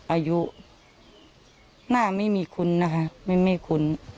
อายุหน้าไม่มีคุ้นนะคะไม่มีคุ้น